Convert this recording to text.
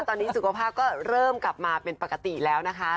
ตอนนี้สุขภาพก็เริ่มกลับมาเป็นปกติแล้วนะคะ